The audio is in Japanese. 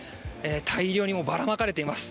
大量にばら撒かれています。